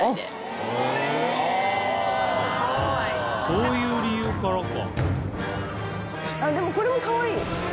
そういう理由からか。